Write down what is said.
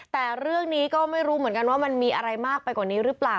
แต่เรื่องนี้ก็ไม่รู้เหมือนกันว่ามันมีอะไรมากไปกว่านี้หรือเปล่า